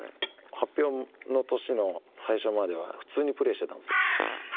発表の年の最初までは普通にプレーしてたんですよ。